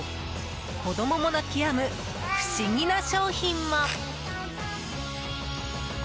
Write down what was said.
子供も泣き止む不思議な商品も。